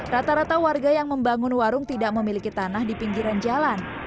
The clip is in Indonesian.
rata rata warga yang membangun warung tidak memiliki tanah di pinggiran jalan